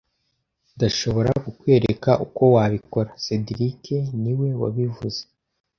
Ndashobora kukwereka uko wabikora cedric niwe wabivuze